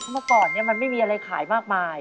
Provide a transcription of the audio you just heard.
เมื่อก่อนมันไม่มีอะไรขายมากมาย